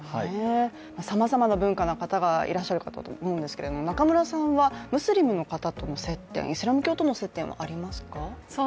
さまざまな文化の方がいらっしゃると思うんですが、中村さんは、ムスリムの方との接点はありますか？